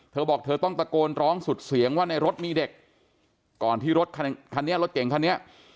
เธอบอกเธอต้องตะโกนร้องสุดเสียงว่าในรถมีเด็กก่อนที่รถคันนี้รถเก่งคันนี้